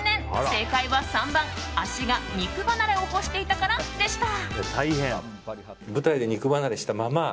正解は３番、足が肉離れを起こしていたからでした。